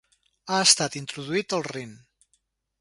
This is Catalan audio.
Ha estat introduït al Rin.